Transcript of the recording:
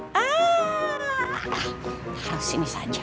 taruh sini saja